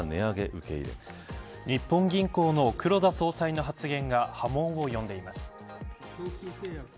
日銀総裁日本銀行の黒田総裁の発言が波紋を呼んでいます。